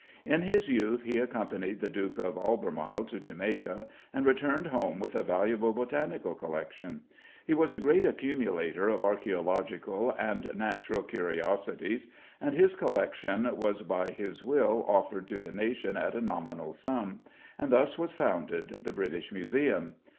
In his youth he accompanied the Duke of Albemarle to Jamaica, and returned home with a valuable botanical collection. He was a great accumulator of archæological and natural curiosities, and his collection was by his will offered to the nation at a nominal sum, and thus was founded the British Museum.